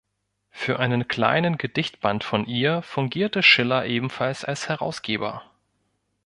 Für einen kleinen Gedichtband von ihr fungierte Schiller ebenfalls als Herausgeber.